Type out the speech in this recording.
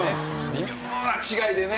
微妙な違いでね。